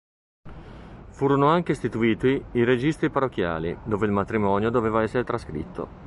Furono anche istituiti i registri parrocchiali, dove il matrimonio doveva essere trascritto.